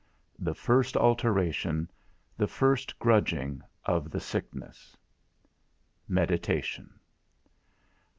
The first Alteration, the first Grudging, of the Sickness. I. MEDITATION.